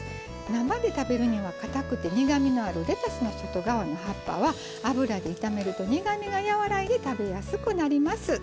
生で食べるにはかたくて苦みのあるレタスの外側の葉っぱは油で炒めると苦みがやわらいで食べやすくなります。